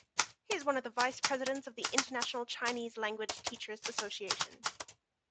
He is one of the vice-presidents of the International Chinese Language Teachers Association.